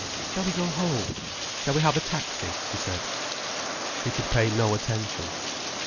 "Shall we go home? Shall we have a taxi?" she said. He could pay no attention.